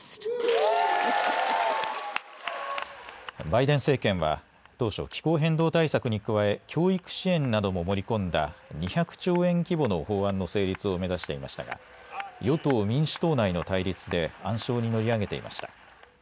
バイデン政権は当初、気候変動対策に加え教育支援なども盛り込んだ２００兆円規模の法案の成立を目指していましたが与党、民主党内の対立で暗礁に乗り上げていました。